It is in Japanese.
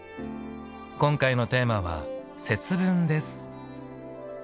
今回のテーマは「節分」です。